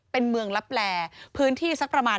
เป็นเมืองลับแลพื้นที่สักประมาณ